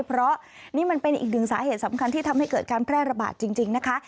เพราะนี่มันเป็นอีกหนึ่งสาเหตุสำคัญที่ทำให้เกิดการแพร่ระบาดจริงนะคะ